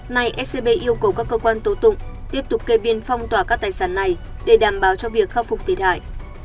này scb yêu cầu các cơ quan tổ tụng tiếp tục kê biên phong tỏa các tài sản này để đảm bảo cho việc khắc phục thiệt hại